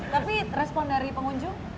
tapi respon dari pengunjung